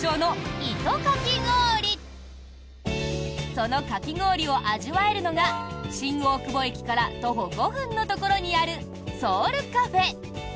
そのかき氷を味わえるのが新大久保駅から徒歩５分のところにあるＳｅｏｕｌＣａｆｅ。